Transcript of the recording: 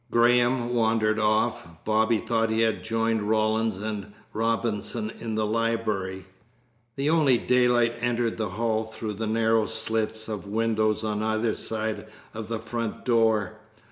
Graham wandered off. Bobby thought he had joined Rawlins and Robinson in the library. The only daylight entered the hall through narrow slits of windows on either side of the front door.